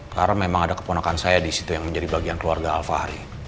karena memang ada keponakan saya disitu yang menjadi bagian keluarga al fahri